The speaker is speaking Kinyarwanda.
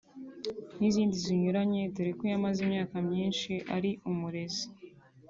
n’izindi zinyuranye dore ko yamaze imyaka myinshi ari umurezi